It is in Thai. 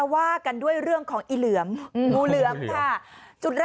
ว่ากันด้วยเรื่องของอีเหลวเหลวงูเหลวค่ะจุด